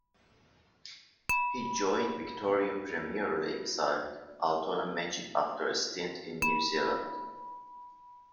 He joined Victorian Premier League side Altona Magic after a stint in New Zealand.